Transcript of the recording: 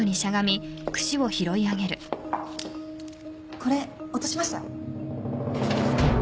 これ落としましたよ。